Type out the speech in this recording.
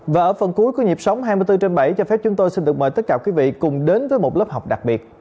và ở phần cuối của nhịp sống hai mươi bốn trên bảy cho phép chúng tôi xin được mời tất cả quý vị cùng đến với một lớp học đặc biệt